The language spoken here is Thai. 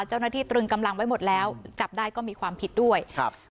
ตรึงกำลังไว้หมดแล้วจับได้ก็มีความผิดด้วยครับ